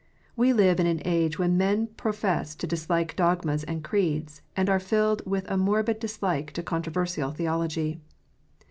We live in an age when men profess to dislike dogmas and creeds, and are filled with a morbid dislike to controversial theology.